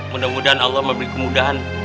mudah mudahan allah memberi kemudahan